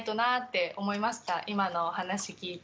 今のお話聞いて。